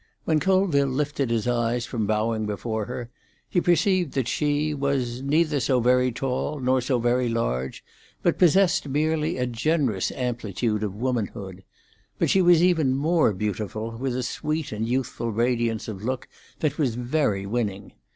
When Colville lifted his eyes from bowing before her he perceived that she—was neither so very tall nor so very large, but possessed merely a generous amplitude of womanhood. But she was even more beautiful, with a sweet and youthful radiance of look that was very winning.